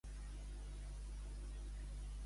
Deixat a ses llibertats.